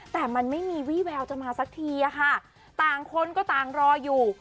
แต่มันไม่มีวี่แววจะมาสักทีอะค่ะต่างคนก็ต่างรออยู่